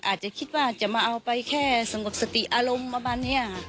อาจจะคิดว่าจะมาเอาไปแค่สงบสติอารมณ์ประมาณนี้ค่ะ